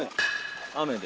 「雨」で。